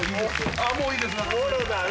もういいです。